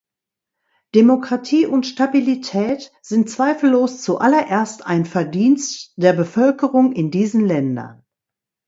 Demokratie und Stabilität sind zweifellos zuallererst ein Verdienst der Bevölkerung in diesen Ländern.